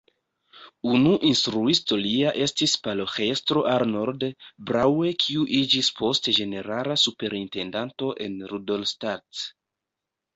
Unu instruisto lia estis paroĥestro Arnold Braue kiu iĝis poste ĝenerala superintendanto en Rudolstadt.